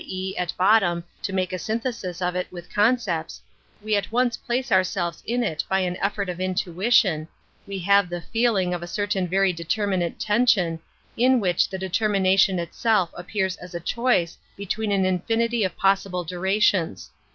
e.^ at bottom, to make a synthesis of it with concepts), we at once place ourselves in it by an effort of intu ition, we have the feeling of a certain very determinate tension, in which the determina Metaphysics 59 tion itself appears as a choice between an ^ infinity of possible durations.